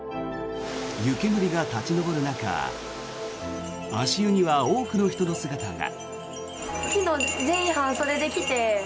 湯煙が立ち上る中足湯には多くの人の姿が。